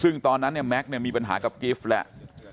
ตรของหอพักที่อยู่ในเหตุการณ์เมื่อวานนี้ตอนค่ำบอกให้ช่วยเรียกตำรวจให้หน่อย